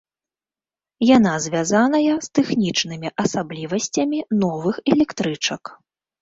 Яна звязаная з тэхнічнымі асаблівасцямі новых электрычак.